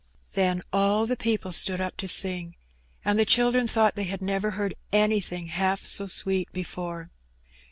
Then all the people stood up to sing, and the children thought they had never heard anything half so sweet before.